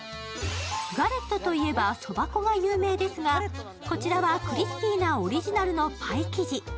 ガレットといえばそば粉が有名ですが、こちらは、クリスピーなオリジナルのパイ生地。